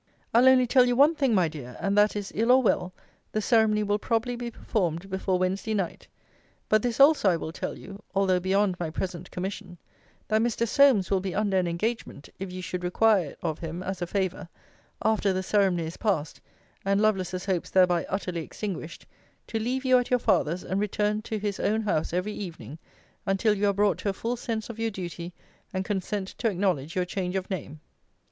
I'll only tell you one thing, my dear: and that is, ill or well, the ceremony will probably be performed before Wednesday night: but this, also, I will tell you, although beyond my present commission, That Mr. Solmes will be under an engagement (if you should require it of him as a favour) after the ceremony is passed, and Lovelace's hopes thereby utterly extinguished, to leave you at your father's, and return to his own house every evening, until you are brought to a full sense of your duty, and consent to acknowledge your change of name.